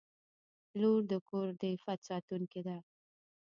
• لور د کور د عفت ساتونکې ده.